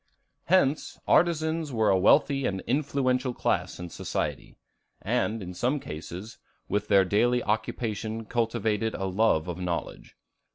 Hence artisans were a wealthy and influential class in society, and, in some cases, with their daily occupation cultivated a love of knowledge.